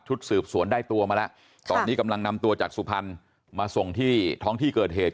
สืบสวนได้ตัวมาแล้วตอนนี้กำลังนำตัวจากสุพรรณมาส่งที่ท้องที่เกิดเหตุ